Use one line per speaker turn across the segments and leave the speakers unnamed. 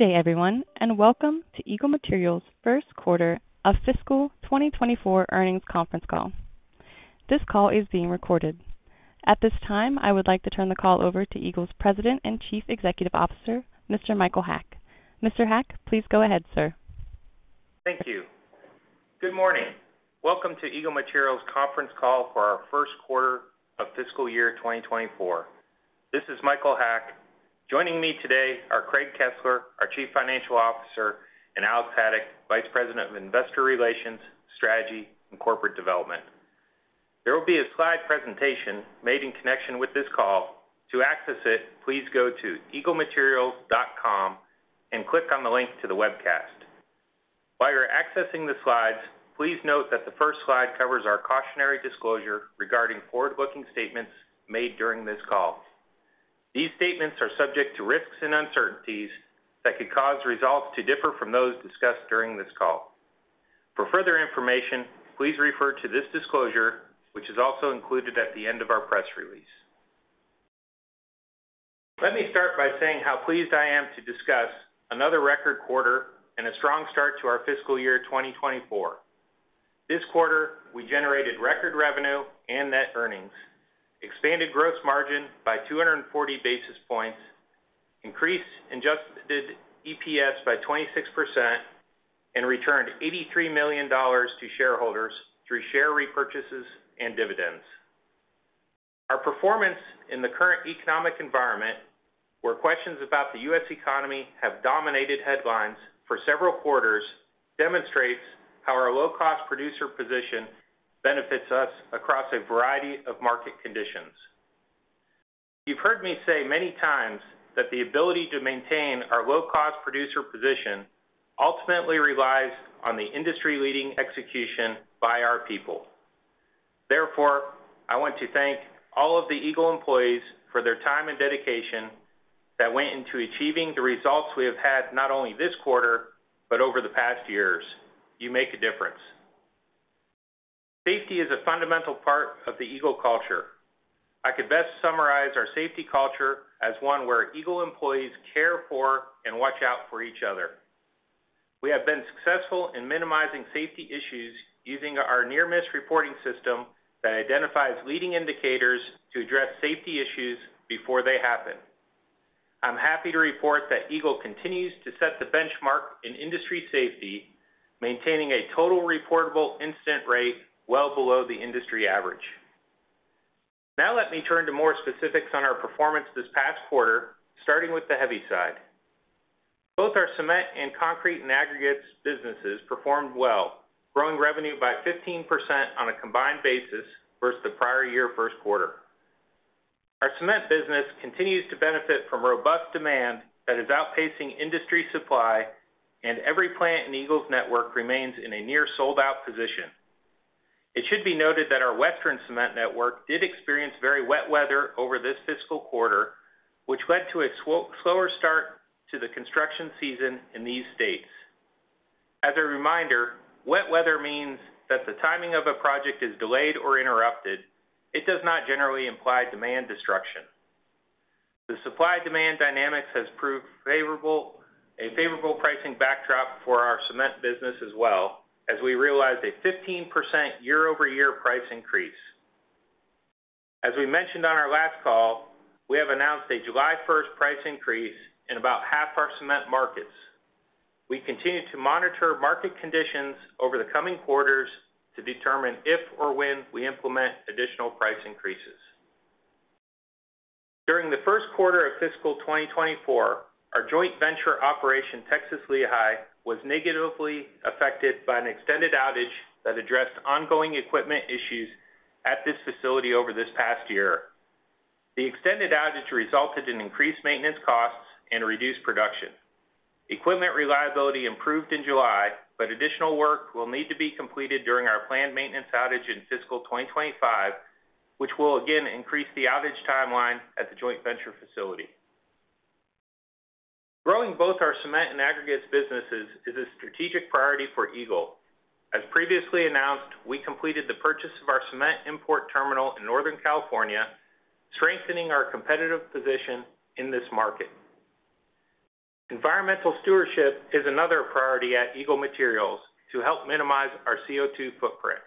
Good day, everyone, and welcome to Eagle Materials' first quarter of fiscal 2024 earnings conference call. This call is being recorded. At this time, I would like to turn the call over to Eagle's President and Chief Executive Officer, Mr. Michael Haack. Mr. Haack, please go ahead, sir.
Thank you. Good morning. Welcome to Eagle Materials conference call for our first quarter of fiscal year 2024. This is Michael Haack. Joining me today are Craig Kesler, our Chief Financial Officer, and Alex Haddock, Vice President of Investor Relations, Strategy, and Corporate Development. There will be a slide presentation made in connection with this call. To access it, please go to eaglematerials.com and click on the link to the webcast. While you're accessing the slides, please note that the first slide covers our cautionary disclosure regarding forward-looking statements made during this call. These statements are subject to risks and uncertainties that could cause results to differ from those discussed during this call. For further information, please refer to this disclosure, which is also included at the end of our press release. Let me start by saying how pleased I am to discuss another record quarter and a strong start to our fiscal year 2024. This quarter, we generated record revenue and net earnings, expanded gross margin by 240 basis points, increased Adjusted EPS by 26%, and returned $83 million to shareholders through share repurchases and dividends. Our performance in the current economic environment, where questions about the U.S. economy have dominated headlines for several quarters, demonstrates how our low-cost producer position benefits us across a variety of market conditions. You've heard me say many times that the ability to maintain our low-cost producer position ultimately relies on the industry-leading execution by our people. Therefore, I want to thank all of the Eagle employees for their time and dedication that went into achieving the results we have had, not only this quarter, but over the past years. You make a difference. Safety is a fundamental part of the Eagle culture. I could best summarize our safety culture as one where Eagle employees care for and watch out for each other. We have been successful in minimizing safety issues using our near-miss reporting system that identifies leading indicators to address safety issues before they happen. I'm happy to report that Eagle continues to set the benchmark in industry safety, maintaining a total reportable incident rate well below the industry average. Now, let me turn to more specifics on our performance this past quarter, starting with the heavy side. Both our cement and concrete and aggregates businesses performed well, growing revenue by 15% on a combined basis versus the prior year first quarter. Our cement business continues to benefit from robust demand that is outpacing industry supply, and every plant in Eagle's network remains in a near-sold-out position. It should be noted that our Western cement network did experience very wet weather over this fiscal quarter, which led to a slower start to the construction season in these states. As a reminder, wet weather means that the timing of a project is delayed or interrupted. It does not generally imply demand destruction. The supply-demand dynamics has proved a favorable pricing backdrop for our cement business as well, as we realized a 15% year-over-year price increase. As we mentioned on our last call, we have announced a July first price increase in about half our cement markets. We continue to monitor market conditions over the coming quarters to determine if or when we implement additional price increases. During the first quarter of fiscal 2024, our joint venture operation, Texas Lehigh, was negatively affected by an extended outage that addressed ongoing equipment issues at this facility over this past year. The extended outage resulted in increased maintenance costs and reduced production. Equipment reliability improved in July, but additional work will need to be completed during our planned maintenance outage in fiscal 2025, which will again increase the outage timeline at the joint venture facility. Growing both our cement and aggregates businesses is a strategic priority for Eagle. As previously announced, we completed the purchase of our cement import terminal in Northern California, strengthening our competitive position in this market. Environmental stewardship is another priority at Eagle Materials to help minimize our CO2 footprint.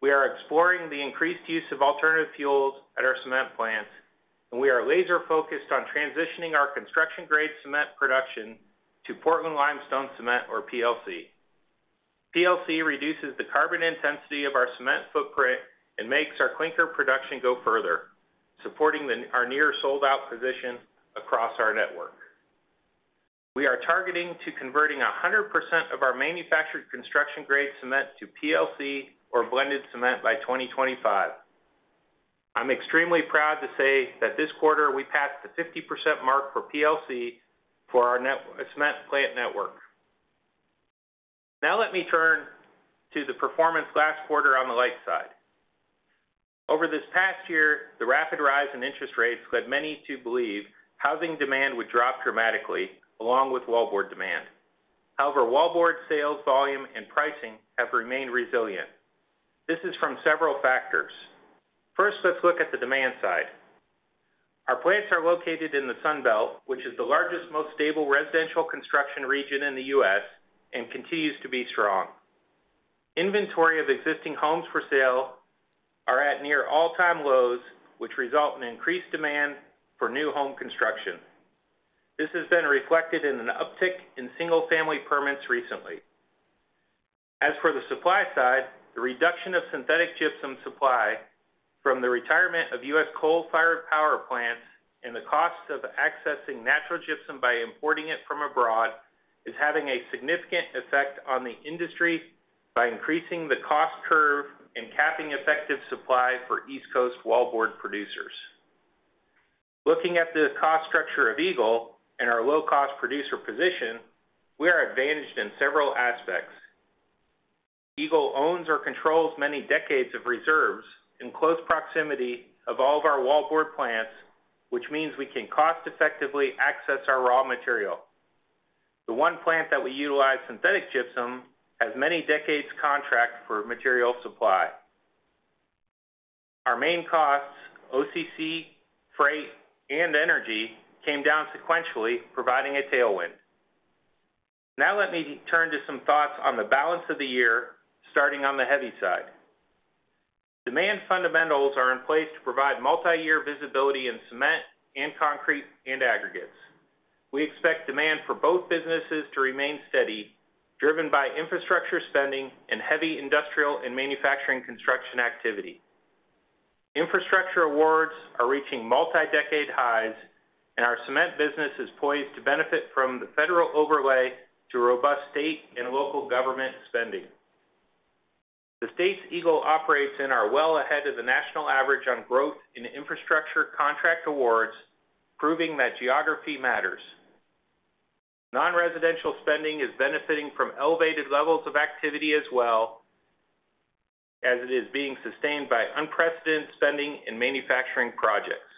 We are exploring the increased use of alternative fuels at our cement plants. We are laser-focused on transitioning our construction-grade cement production to Portland Limestone Cement, or PLC. PLC reduces the carbon intensity of our cement footprint and makes our clinker production go further, supporting our near-sold-out position across our network. We are targeting to converting 100% of our manufactured construction-grade cement to PLC or blended cement by 2025. I'm extremely proud to say that this quarter, we passed the 50% mark for PLC for our cement plant network. Let me turn to the performance last quarter on the light side. Over this past year, the rapid rise in interest rates led many to believe housing demand would drop dramatically, along with wallboard demand. wallboard sales volume and pricing have remained resilient. This is from several factors. First, let's look at the demand side. Our plants are located in the Sun Belt, which is the largest, most stable residential construction region in the U.S. and continues to be strong. Inventory of existing homes for sale are at near all-time lows, which result in increased demand for new home construction. This has been reflected in an uptick in single-family permits recently. As for the supply side, the reduction of synthetic gypsum supply from the retirement of U.S. coal-fired power plants and the cost of accessing natural gypsum by importing it from abroad, is having a significant effect on the industry by increasing the cost curve and capping effective supply for East Coast wallboard producers. Looking at the cost structure of Eagle and our low-cost producer position, we are advantaged in several aspects. Eagle owns or controls many decades of reserves in close proximity of all of our wallboard plants, which means we can cost-effectively access our raw material. The one plant that we utilize, synthetic gypsum, has many decades contract for material supply. Our main costs, OCC, freight, and energy, came down sequentially, providing a tailwind. Now let me turn to some thoughts on the balance of the year, starting on the heavy side. Demand fundamentals are in place to provide multiyear visibility in cement and concrete and aggregates. We expect demand for both businesses to remain steady, driven by infrastructure spending and heavy industrial and manufacturing construction activity. Infrastructure awards are reaching multi-decade highs, and our cement business is poised to benefit from the federal overlay to robust state and local government spending. The states Eagle operates in are well ahead of the national average on growth in infrastructure contract awards, proving that geography matters. Non-residential spending is benefiting from elevated levels of activity as well, as it is being sustained by unprecedented spending in manufacturing projects.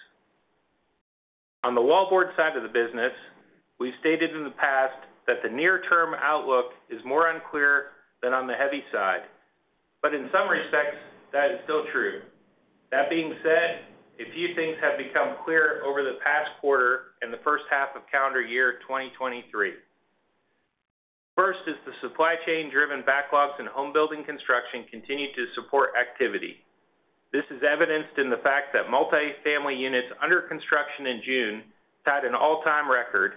On the wallboard side of the business, we've stated in the past that the near-term outlook is more unclear than on the heavy side, but in some respects, that is still true. That being said, a few things have become clear over the past quarter in the first half of calendar year 2023. First is the supply chain-driven backlogs in home building construction continue to support activity. This is evidenced in the fact that multifamily units under construction in June set an all-time record,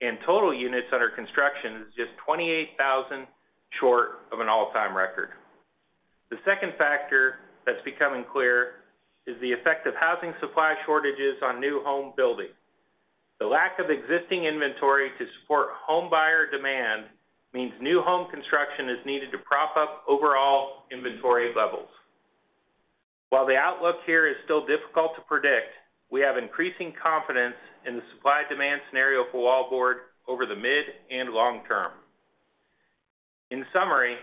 and total units under construction is just 28,000 short of an all-time record. The second factor that's becoming clear is the effect of housing supply shortages on new home building. The lack of existing inventory to support home buyer demand means new home construction is needed to prop up overall inventory levels. While the outlook here is still difficult to predict, we have increasing confidence in the supply-demand scenario for wallboard over the mid and long term. In summary,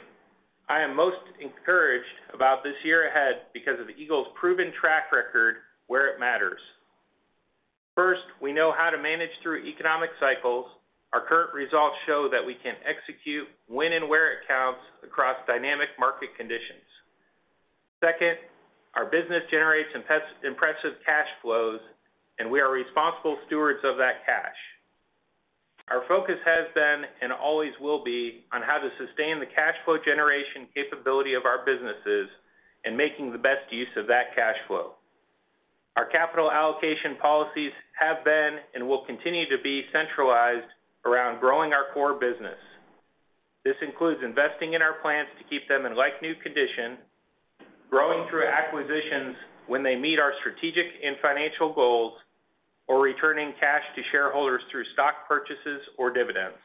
I am most encouraged about this year ahead because of Eagle's proven track record where it matters. First, we know how to manage through economic cycles. Our current results show that we can execute when and where it counts across dynamic market conditions. Second, our business generates impressive cash flows, and we are responsible stewards of that cash. Our focus has been, and always will be, on how to sustain the cash flow generation capability of our businesses and making the best use of that cash flow. Our capital allocation policies have been and will continue to be centralized around growing our core business. This includes investing in our plants to keep them in like-new condition, growing through acquisitions when they meet our strategic and financial goals, or returning cash to shareholders through stock purchases or dividends.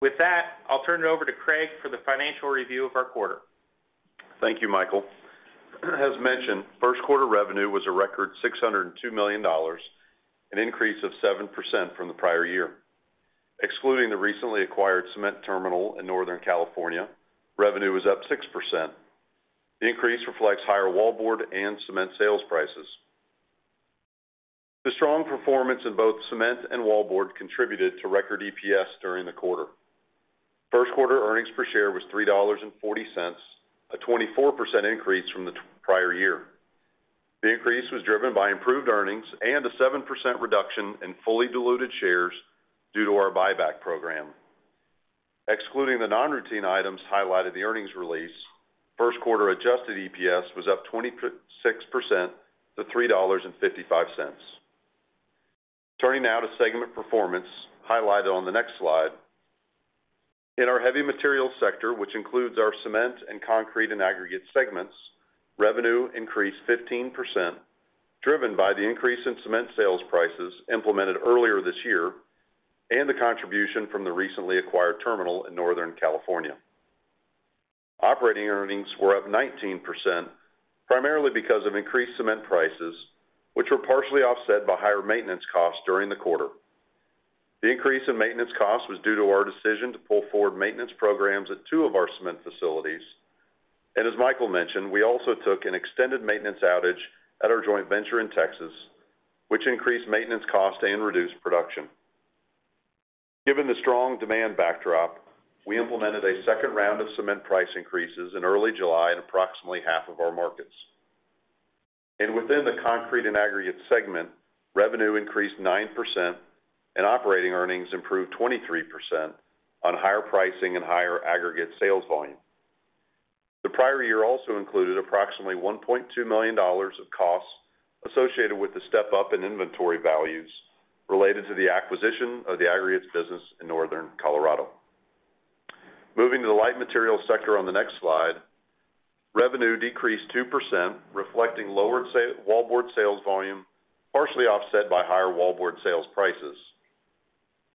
With that, I'll turn it over to Craig for the financial review of our quarter.
Thank you, Michael. As mentioned, First quarter revenue was a record $602 million, an increase of 7% from the prior year. Excluding the recently acquired cement terminal in Northern California, revenue was up 6%. The increase reflects higher wallboard and cement sales prices. The strong performance in both cement and wallboard contributed to record EPS during the quarter. First quarter earnings per share was $3.40, a 24% increase from the prior year. The increase was driven by improved earnings and a 7% reduction in fully diluted shares due to our buyback program. Excluding the non-routine items highlighted the earnings release, First quarter Adjusted EPS was up 26% to $3.55. Turning now to segment performance, highlighted on the next slide. In our heavy materials sector, which includes our cement, and concrete, and aggregate segments, revenue increased 15%, driven by the increase in cement sales prices implemented earlier this year and the contribution from the recently acquired terminal in Northern California. Operating earnings were up 19%, primarily because of increased cement prices, which were partially offset by higher maintenance costs during the quarter. The increase in maintenance costs was due to our decision to pull forward maintenance programs at two of our cement facilities. As Michael mentioned, we also took an extended maintenance outage at our joint venture in Texas, which increased maintenance costs and reduced production. Given the strong demand backdrop, we implemented a second round of cement price increases in early July in approximately half of our markets. Within the concrete and aggregates segment, revenue increased 9%, and operating earnings improved 23% on higher pricing and higher aggregate sales volume. The prior year also included approximately $1.2 million of costs associated with the step-up in inventory values related to the acquisition of the aggregates business in Northern Colorado. Moving to the light material sector on the next slide, revenue decreased 2%, reflecting lower wallboard sales volume, partially offset by higher wallboard sales prices.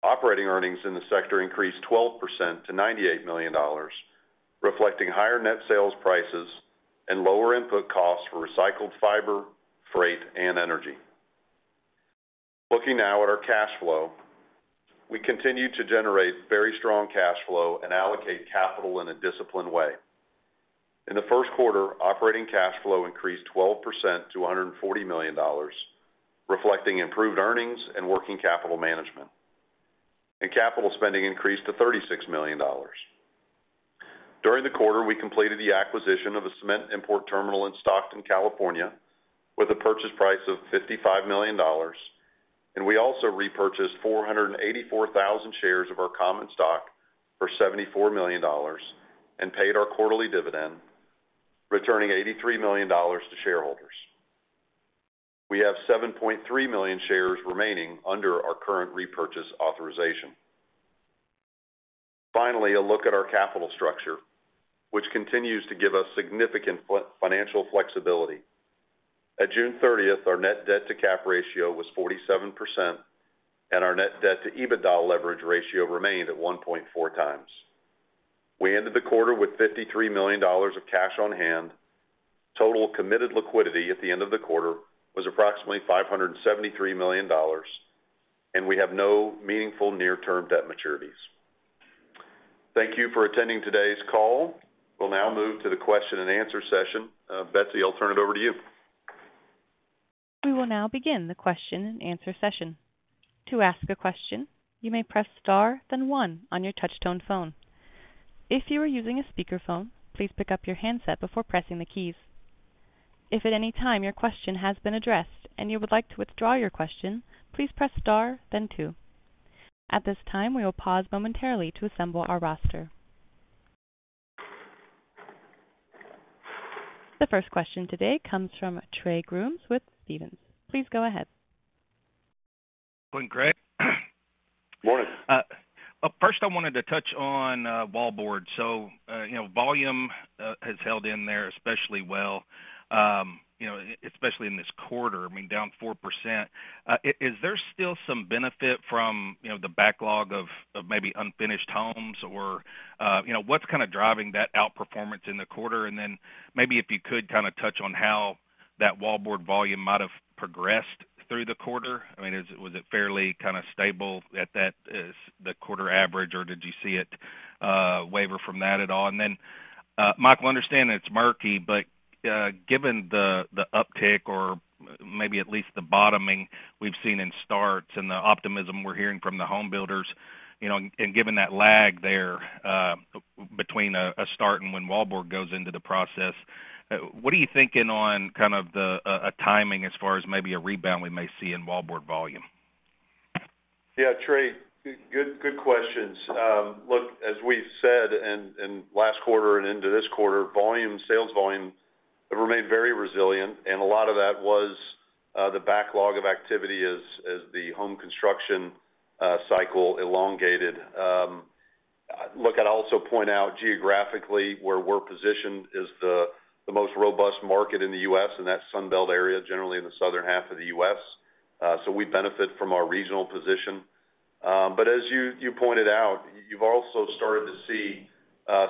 Operating earnings in the sector increased 12% to $98 million, reflecting higher net sales prices and lower input costs for recycled fiber, freight, and energy. Looking now at our cash flow. We continue to generate very strong cash flow and allocate capital in a disciplined way. In the first quarter, operating cash flow increased 12% to $140 million, reflecting improved earnings and working capital management. Capital spending increased to $36 million. During the quarter, we completed the acquisition of a cement import terminal in Stockton, California, with a purchase price of $55 million, and we also repurchased 484,000 shares of our common stock for $74 million and paid our quarterly dividend, returning $83 million to shareholders. We have 7.3 million shares remaining under our current repurchase authorization. Finally, a look at our capital structure, which continues to give us significant financial flexibility. At June 30th, our net debt to capital ratio was 47%, and our net debt to EBITDA leverage ratio remained at 1.4x. We ended the quarter with $53 million of cash on hand. Total committed liquidity at the end of the quarter was approximately $573 million. We have no meaningful near-term debt maturities. Thank you for attending today's call. We'll now move to the question and answer session. Betsy, I'll turn it over to you.
We will now begin the question and answer session. To ask a question, you may press star, then one on your touch-tone phone. If you are using a speakerphone, please pick up your handset before pressing the keys. If at any time your question has been addressed and you would like to withdraw your question, please press star, then two. At this time, we will pause momentarily to assemble our roster. The first question today comes from Trey Grooms with Stephens. Please go ahead.
Good morning, Craig.
Morning.
First, I wanted to touch on wallboard. You know, volume has held in there, especially well, you know, especially in this quarter, I mean, down 4%. Is there still some benefit from, you know, the backlog of maybe unfinished homes? Or, you know, what's kind of driving that outperformance in the quarter? Maybe if you could kind of touch on how that wallboard volume might have progressed through the quarter. I mean, was it fairly kind of stable at that, the quarter average, or did you see it waver from that at all? Might, I understand it's murky, but given the uptick or maybe at least the bottoming we've seen in starts and the optimism we're hearing from the home builders, you know, and given that lag there, between a start and when wallboard goes into the process, what are you thinking on kind of the a timing as far as maybe a rebound we may see in wallboard volume?
Trey, good questions. Look, as we said in last quarter and into this quarter, volume, sales volume have remained very resilient, and a lot of that was the backlog of activity as the home construction cycle elongated. Look, I'd also point out geographically, where we're positioned is the most robust market in the U.S., and that Sun Belt area, generally in the Southern half of the U.S. We benefit from our regional position. As you pointed out, you've also started to see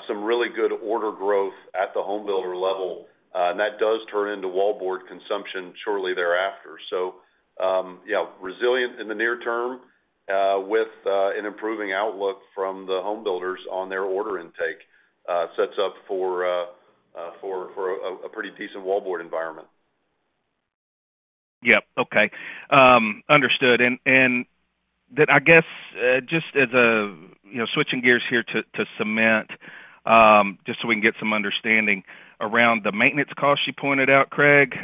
some really good order growth at the home builder level, and that does turn into wall board consumption shortly thereafter. Yeah, resilient in the near term, with an improving outlook from the home builders on their order intake, sets up for a pretty decent wallboard environment.
Yep. Okay. Understood. Then I guess, just as a, you know, switching gears here to cement, just so we can get some understanding around the maintenance costs you pointed out, Craig.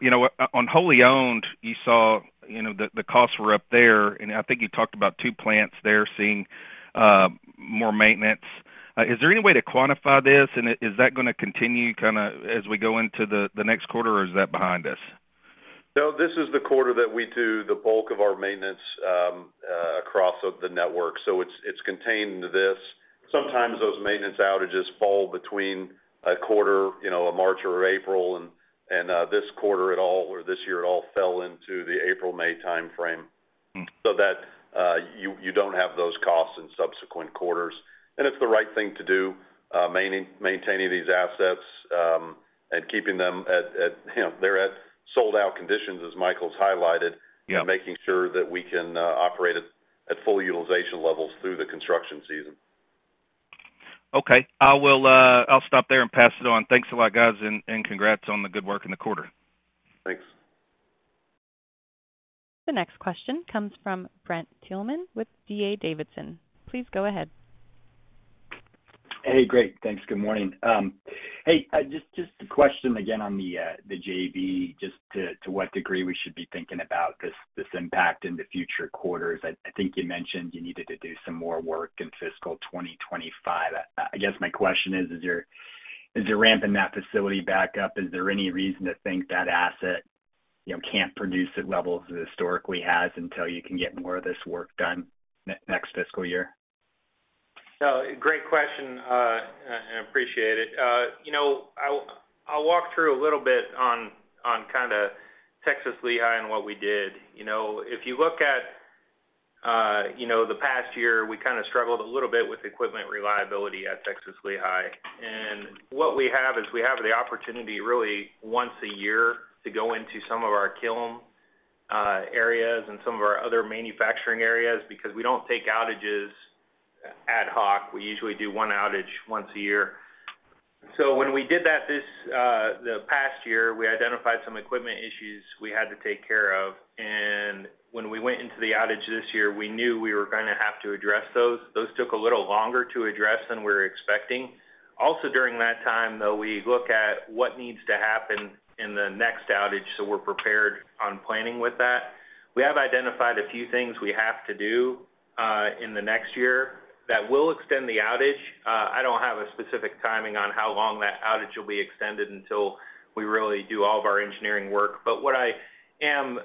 You know, on wholly owned, you saw, you know, the costs were up there, and I think you talked about two plants there seeing more maintenance. Is there any way to quantify this, and is that gonna continue kinda, as we go into the next quarter, or is that behind us?
This is the quarter that we do the bulk of our maintenance, across the network, so it's contained to this. Sometimes those maintenance outages fall between a quarter, you know, a March or April, and, this quarter at all, or this year it all fell into the April-May timeframe.
Mm-hmm.
That you don't have those costs in subsequent quarters. It's the right thing to do, maintaining these assets, and keeping them at, you know, they're at sold out conditions, as Michael's highlighted.
Yeah.
Making sure that we can operate at full utilization levels through the construction season.
Okay. I will, I'll stop there and pass it on. Thanks a lot, guys, and congrats on the good work in the quarter.
Thanks.
The next question comes from Brent Thielman with D.A. Davidson. Please go ahead.
Hey, great. Thanks. Good morning. Hey, just a question again on the JV, just to what degree we should be thinking about this impact in the future quarters. I think you mentioned you needed to do some more work in fiscal 2025. I guess my question is: As you're ramping that facility back up, is there any reason to think that asset, you know, can't produce at levels it historically has until you can get more of this work done next fiscal year?
Great question, and appreciate it. You know, I'll walk through a little bit on kinda Texas Lehigh and what we did. You know, if you look at, you know, the past year, we kinda struggled a little bit with equipment reliability at Texas Lehigh. What we have is we have the opportunity, really once a year, to go into some of our kiln areas and some of our other manufacturing areas, because we don't take outages ad hoc. We usually do one outage once a year. When we did that this, the past year, we identified some equipment issues we had to take care of, and when we went into the outage this year, we knew we were gonna have to address those. Those took a little longer to address than we were expecting. During that time, though, we look at what needs to happen in the next outage, so we're prepared on planning with that. We have identified a few things we have to do in the next year that will extend the outage. I don't have a specific timing on how long that outage will be extended until we really do all of our engineering work. What I am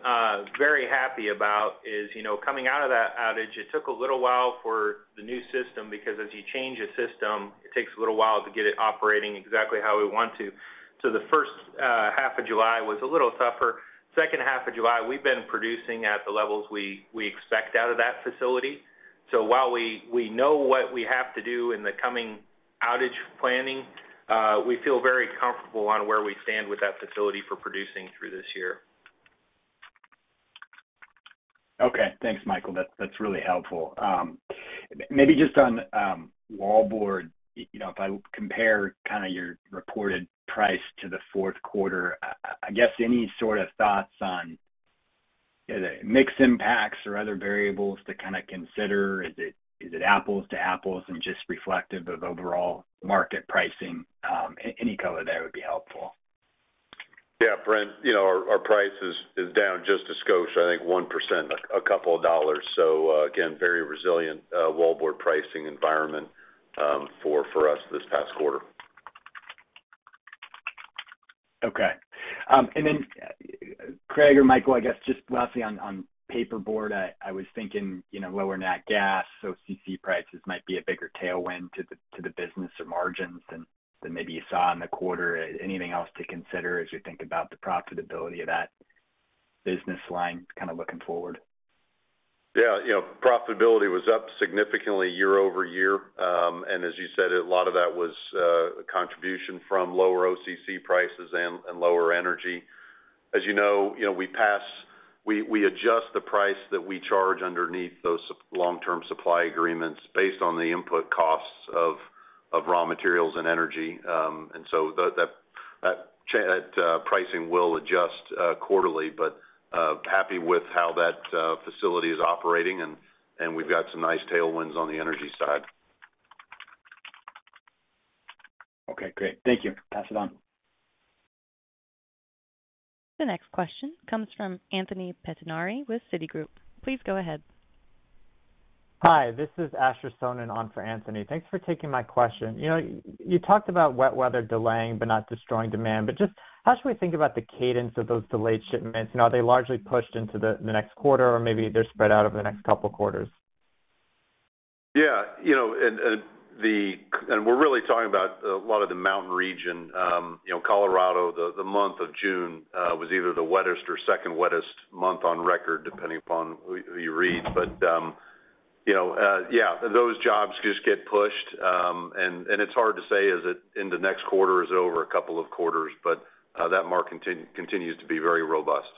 very happy about is, you know, coming out of that outage, it took a little while for the new system, because as you change a system, it takes a little while to get it operating exactly how we want to. The first half of July was a little tougher. Second half of July, we've been producing at the levels we expect out of that facility. While we know what we have to do in the coming outage planning, we feel very comfortable on where we stand with that facility for producing through this year.
Okay. Thanks, Michael. That's really helpful. maybe just on wallboard, you know, if I compare kinda your reported price to the fourth quarter, I guess any sort of thoughts on the mix impacts or other variables to kinda consider? Is it apples to apples and just reflective of overall market pricing? any color there would be helpful.
Yeah, Brent, you know, our price is down just a skosh, I think 1%, a couple of dollars. Again, very resilient, wallboard pricing environment, for us this past quarter.
Okay. Craig or Michael, I guess just lastly on, on paperboard, I, I was thinking, you know, lower nat gas, so OCC prices might be a bigger tailwind to the, to the business or margins than, than maybe you saw in the quarter. Anything else to consider as you think about the profitability of that business line, kinda looking forward?
Yeah, you know, profitability was up significantly year-over-year. As you said, a lot of that was contribution from lower OCC prices and lower energy. As you know, we adjust the price that we charge underneath those long-term supply agreements based on the input costs of raw materials and energy. That pricing will adjust quarterly, but happy with how that facility is operating, and we've got some nice tailwinds on the energy side.
Okay, great. Thank you. Pass it on.
The next question comes from Anthony Pettinari with Citigroup. Please go ahead.
Hi, this is Asher Sohnen, in on for Anthony. Thanks for taking my question. You know, you talked about wet weather delaying but not destroying demand. Just how should we think about the cadence of those delayed shipments? Are they largely pushed into the next quarter, or maybe they're spread out over the next couple quarters?
Yeah, you know, we're really talking about a lot of the mountain region. You know, Colorado, the month of June was either the wettest or second wettest month on record, depending upon who you read. You know, yeah, those jobs just get pushed. It's hard to say, is it in the next quarter or is it over a couple of quarters? That market continues to be very robust.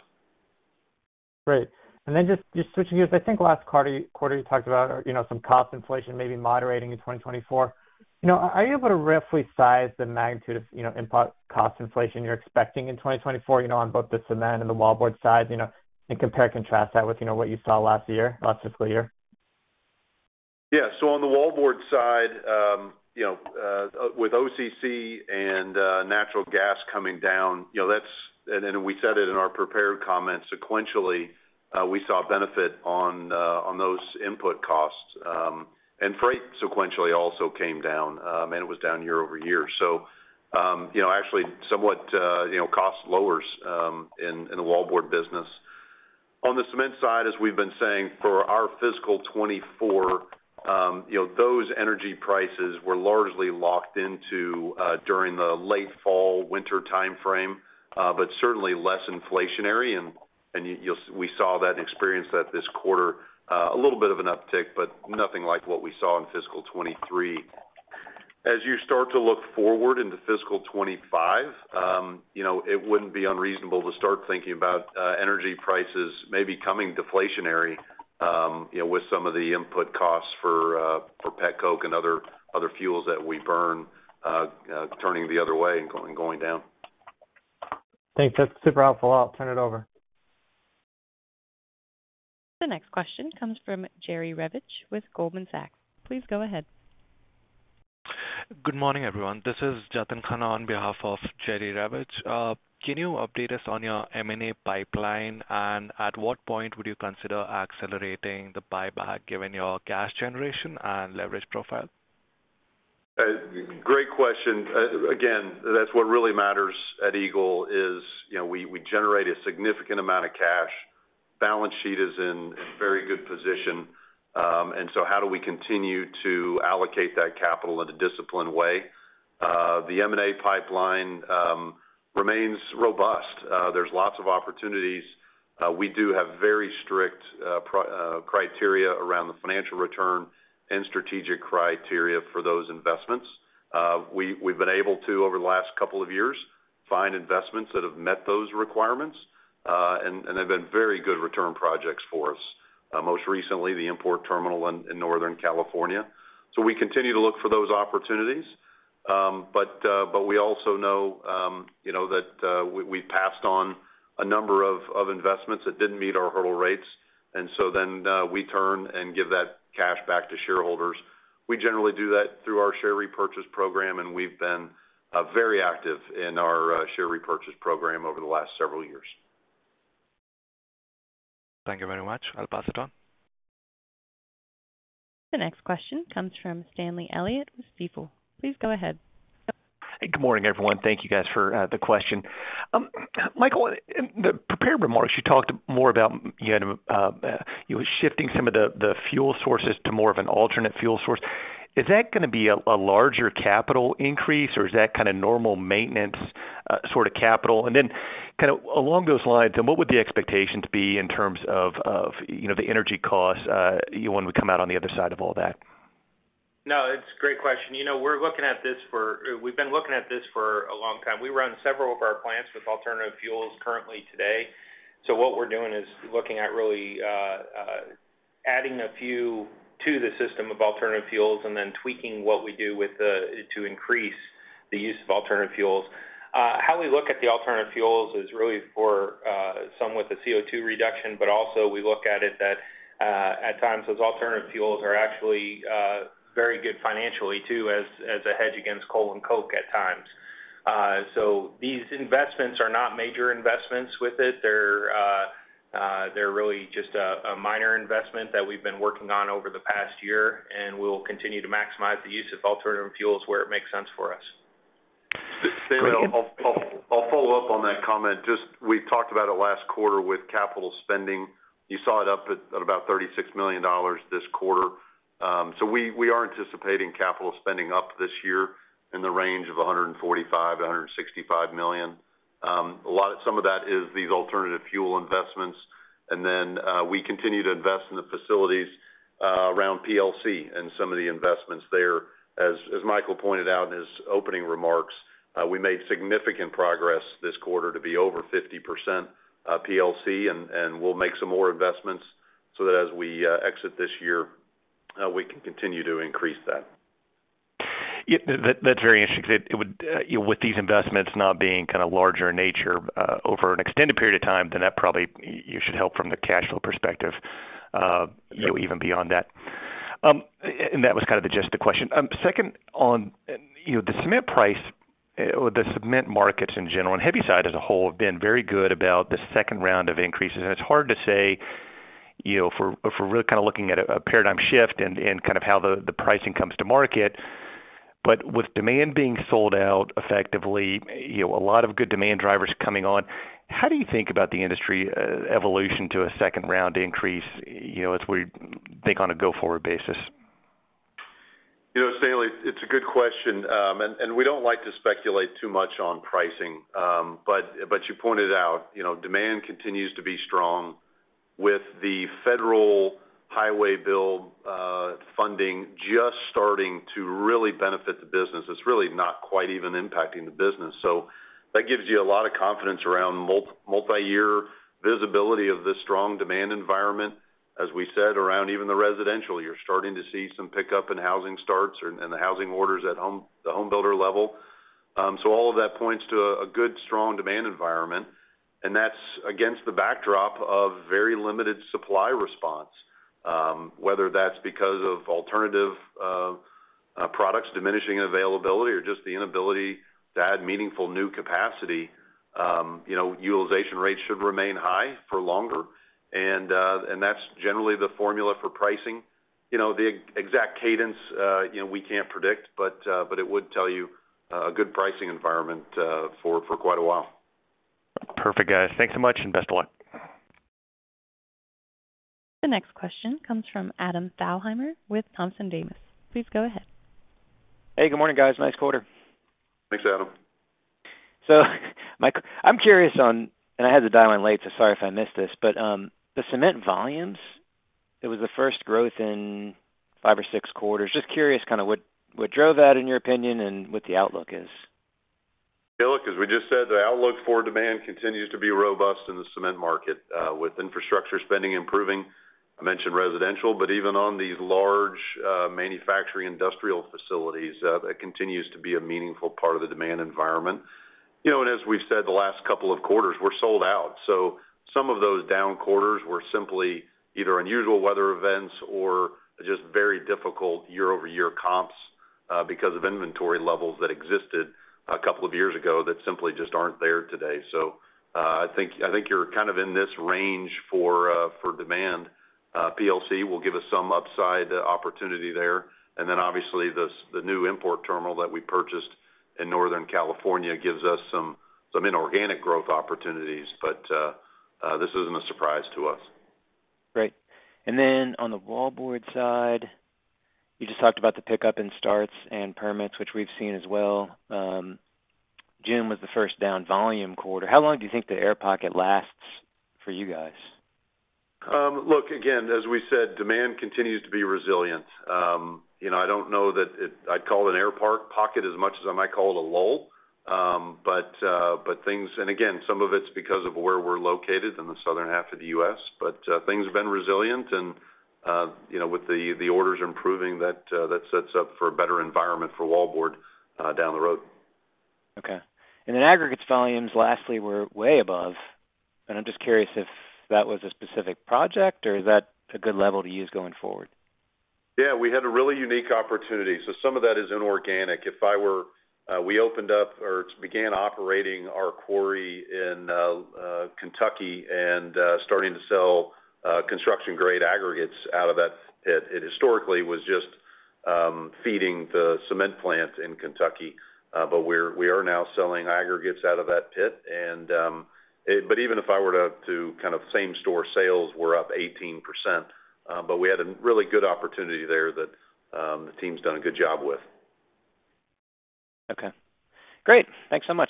Great. just switching gears. I think last quarter you talked about, you know, some cost inflation maybe moderating in 2024. You know, are you able to roughly size the magnitude of, you know, input cost inflation you're expecting in 2024, you know, on both the cement and the wallboard side, you know, and compare and contrast that with, you know, what you saw last year, last fiscal year?
Yeah. On the wallboard side, you know, with OCC and natural gas coming down, you know, and we said it in our prepared comments, sequentially, we saw benefit on those input costs. Freight sequentially also came down, and it was down year-over-year. You know, actually somewhat, you know, cost lowers in the wallboard business. On the cement side, as we've been saying for our fiscal 2024, you know, those energy prices were largely locked into during the late fall, winter timeframe, but certainly less inflationary and we saw that and experienced that this quarter, a little bit of an uptick, but nothing like what we saw in fiscal 2023. As you start to look forward into fiscal 2025, you know, it wouldn't be unreasonable to start thinking about energy prices may be coming deflationary, you know, with some of the input costs for petcoke and other fuels that we burn, turning the other way and going down.
Thanks. That's super helpful. I'll turn it over.
The next question comes from Jerry Revich with Goldman Sachs. Please go ahead.
Good morning, everyone. This is Jatin Khanna on behalf of Jerry Revich. Can you update us on your M&A pipeline? At what point would you consider accelerating the buyback, given your cash generation and leverage profile?
Great question. Again, that's what really matters at Eagle, you know, we generate a significant amount of cash. Balance sheet is in a very good position. How do we continue to allocate that capital in a disciplined way? The M&A pipeline remains robust. There's lots of opportunities. We do have very strict criteria around the financial return and strategic criteria for those investments. We've been able to, over the last couple of years, find investments that have met those requirements, and they've been very good return projects for us, most recently, the import terminal in Northern California. We continue to look for those opportunities. We also know, you know, that we passed on a number of investments that didn't meet our hurdle rates. We turn and give that cash back to shareholders. We generally do that through our share repurchase program, and we've been very active in our share repurchase program over the last several years.
Thank you very much. I'll pass it on.
The next question comes from Stanley Elliott with Stifel. Please go ahead.
Hey, good morning, everyone. Thank you guys for the question. Michael, in the prepared remarks, you talked more about, you had, you were shifting some of the fuel sources to more of an alternate fuel source. Is that gonna be a larger capital increase, or is that kind of normal maintenance, sort of capital? Then kind of along those lines, then what would the expectations be in terms of, you know, the energy costs, when we come out on the other side of all that?
No, it's a great question. You know, we're looking at this, we've been looking at this for a long time. We run several of our plants with alternative fuels currently today. What we're doing is looking at really adding a few to the system of alternative fuels, and then tweaking what we do with the to increase the use of alternative fuels. How we look at the alternative fuels is really for some with the CO2 reduction, but also we look at it that at times, those alternative fuels are actually very good financially, too, as a hedge against coal and coke at times. These investments are not major investments with it. They're really just a minor investment that we've been working on over the past year. We'll continue to maximize the use of alternative fuels where it makes sense for us.
Thank you.
I'll follow up on that comment. Just we talked about it last quarter with capital spending. You saw it up at about $36 million this quarter. We are anticipating capital spending up this year in the range of $145 million-$165 million. Some of that is these alternative fuel investments. We continue to invest in the facilities around PLC and some of the investments there. As Michael pointed out in his opening remarks, we made significant progress this quarter to be over 50% PLC, and we'll make some more investments so that as we exit this year, we can continue to increase that.
Yeah, that, that's very interesting. It would, you know, with these investments not being kind of larger in nature, over an extended period of time, then that probably should help from the cash flow perspective.
Yep
Even beyond that. That was kind of the gist of the question. Second, on, you know, the cement price, or the cement markets in general and heavy side as a whole, have been very good about the second round of increases. It's hard to say, you know, for, for really kind of looking at a, a paradigm shift and, and kind of how the, the pricing comes to market. With demand being sold out effectively, you know, a lot of good demand drivers coming on, how do you think about the industry, evolution to a second round increase, you know, as we think on a go-forward basis?
You know, Stanley Elliott, it's a good question. We don't like to speculate too much on pricing. You pointed out, you know, demand continues to be strong with the federal highway bill funding just starting to really benefit the business. It's really not quite even impacting the business. That gives you a lot of confidence around multi-year visibility of this strong demand environment, as we said, around even the residential. You're starting to see some pickup in housing starts and the housing orders at home, the home builder level. All of that points to a good, strong demand environment, and that's against the backdrop of very limited supply response. Whether that's because of alternative products, diminishing availability, or just the inability to add meaningful new capacity, you know, utilization rates should remain high for longer. That's generally the formula for pricing. You know, the exact cadence, you know, we can't predict, but it would tell you a good pricing environment for quite a while.
Perfect, guys. Thanks so much, and best of luck.
The next question comes from Adam Thalhimer with Thompson Davis. Please go ahead.
Hey, good morning, guys. Nice quarter.
Thanks, Adam.
Mike, I'm curious and I had to dial in late, so sorry if I missed this, but the cement volumes, it was the first growth in five or six quarters. Just curious kind of what, what drove that, in your opinion, and what the outlook is?
Hey, look, as we just said, the outlook for demand continues to be robust in the cement market, with infrastructure spending improving. I mentioned residential, but even on these large, manufacturing industrial facilities, that continues to be a meaningful part of the demand environment. You know, as we've said, the last couple of quarters, we're sold out. Some of those down quarters were simply either unusual weather events or just very difficult year-over-year comps, because of inventory levels that existed a couple of years ago that simply just aren't there today. I think you're kind of in this range for demand. PLC will give us some upside opportunity there, and then obviously, the new import terminal that we purchased in Northern California gives us some inorganic growth opportunities. This isn't a surprise to us.
Great. Then on the wallboard side, you just talked about the pickup in starts and permits, which we've seen as well. June was the first down volume quarter. How long do you think the air pocket lasts for you guys?
Look, again, as we said, demand continues to be resilient. You know, I don't know that it I'd call it an air pocket as much as I might call it a lull. Things and again, some of it's because of where we're located in the southern half of the U.S. Things have been resilient, and, you know, with the orders improving, that sets up for a better environment for wallboard down the road.
Okay. Then aggregates volumes, lastly, were way above, and I'm just curious if that was a specific project or is that a good level to use going forward?
We had a really unique opportunity, so some of that is inorganic. If I were, we opened up or began operating our quarry in Kentucky and starting to sell construction-grade aggregates out of that. It historically was just feeding the cement plant in Kentucky, but we are now selling aggregates out of that pit, and but even if I were to kind of same-store sales were up 18%. We had a really good opportunity there that the team's done a good job with.
Okay. Great. Thanks so much.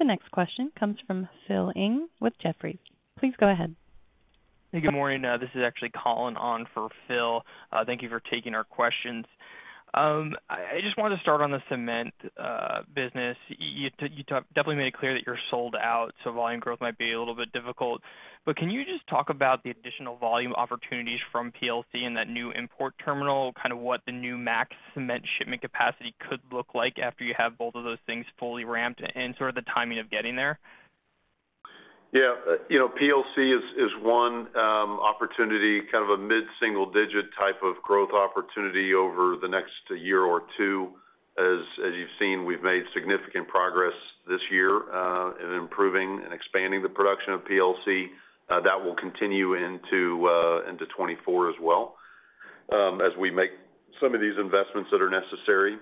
The next question comes from Phil Ng with Jefferies. Please go ahead.
Hey, good morning. This is actually Colin on for Phil. Thank you for taking our questions. I just wanted to start on the cement business. You definitely made it clear that you're sold out, so volume growth might be a little bit difficult. Can you just talk about the additional volume opportunities from PLC and that new import terminal, kind of what the new max cement shipment capacity could look like after you have both of those things fully ramped and sort of the timing of getting there?
Yeah. You know, PLC is, is one opportunity, kind of a mid-single digit type of growth opportunity over the next year or two. As you've seen, we've made significant progress this year in improving and expanding the production of PLC. That will continue into 2024 as well, as we make some of these investments that are necessary.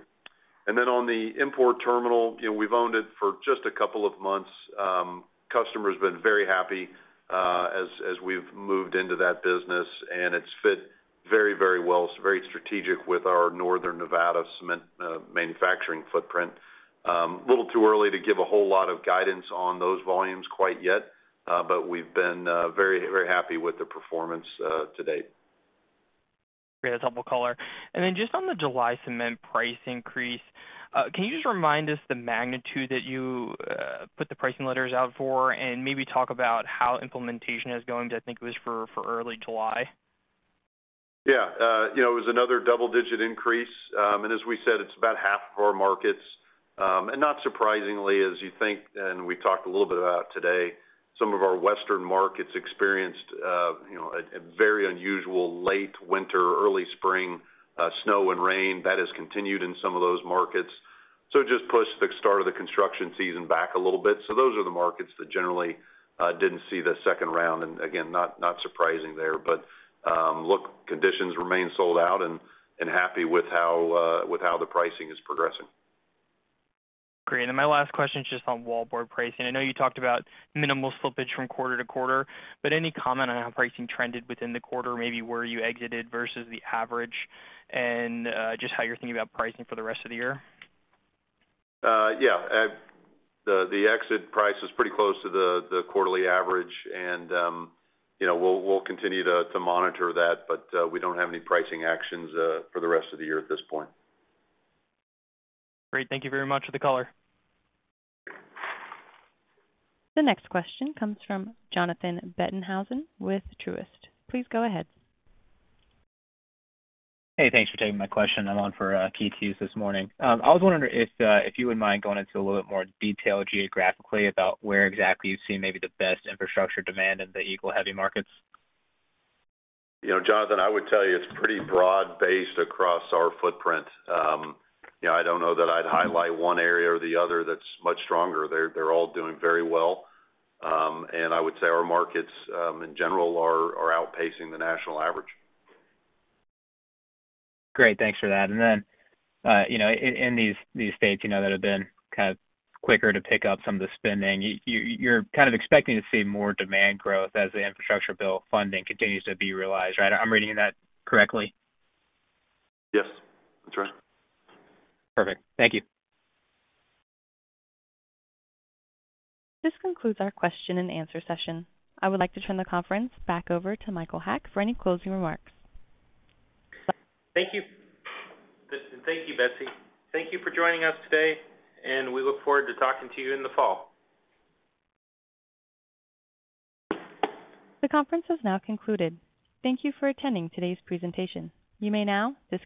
On the import terminal, you know, we've owned it for just a couple of months. Customer's been very happy, as we've moved into that business, and it's fit very, very well. It's very strategic with our northern Nevada cement manufacturing footprint. A little too early to give a whole lot of guidance on those volumes quite yet, but we've been very, very happy with the performance to date.
Great, that's helpful color. Just on the July cement price increase, can you just remind us the magnitude that you put the pricing letters out for and maybe talk about how implementation is going? I think it was for early July.
Yeah. You know, it was another double-digit increase. As we said, it's about half of our markets. Not surprisingly, as you think, and we talked a little bit about today, some of our western markets experienced, you know, a very unusual late winter, early spring, snow and rain. That has continued in some of those markets. It just pushed the start of the construction season back a little bit. Those are the markets that generally didn't see the second round, and again, not surprising there. Look, conditions remain sold out, and happy with how the pricing is progressing.
Great. My last question is just on wallboard pricing. I know you talked about minimal slippage from quarter-to-quarter, but any comment on how pricing trended within the quarter, maybe where you exited versus the average, and just how you're thinking about pricing for the rest of the year?
Yeah. The exit price is pretty close to the quarterly average, and, you know, we'll continue to monitor that, but, we don't have any pricing actions for the rest of the year at this point.
Great. Thank you very much for the color.
The next question comes from Jonathan Bettenhausen with Truist. Please go ahead.
Hey, thanks for taking my question. I'm on for Keith Hughes this morning. I was wondering if you would mind going into a little bit more detail geographically about where exactly you see maybe the best infrastructure demand in the Eagle heavy markets.
You know, Jonathan, I would tell you it's pretty broad-based across our footprint. You know, I don't know that I'd highlight one area or the other that's much stronger. They're all doing very well. I would say our markets, in general, are outpacing the national average.
Great, thanks for that. Then, you know, in these, these states, you know, that have been kind of quicker to pick up some of the spending, you're kind of expecting to see more demand growth as the Infrastructure Bill funding continues to be realized, right? I'm reading that correctly?
Yes, that's right.
Perfect. Thank you.
This concludes our question and answer session. I would like to turn the conference back over to Michael Haack for any closing remarks.
Thank you. Thank you, Betsy. Thank you for joining us today, and we look forward to talking to you in the fall.
The conference is now concluded. Thank you for attending today's presentation. You may now disconnect.